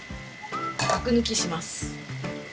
アク抜きします。